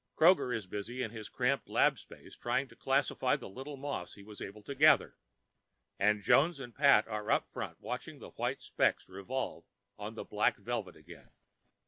Kroger is busy in his cramped lab space trying to classify the little moss he was able to gather, and Jones and Pat are up front watching the white specks revolve on that black velvet again.